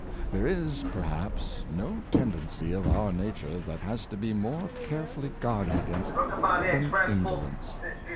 There is, perhaps, no tendency of our nature that has to be more carefully guarded against than indo lence.